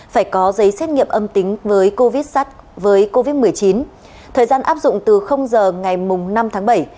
phải có giấy xét nghiệm âm tính với covid một mươi chín thời gian áp dụng từ h ngày năm tháng bảy